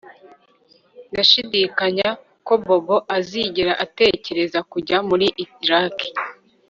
Ndashidikanya ko Bobo azigera atekereza kujya muri Iraki